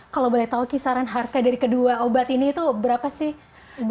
kalau boleh tahu kisaran harga dari kedua obat ini itu berapa sih